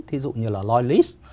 thí dụ như là loyalist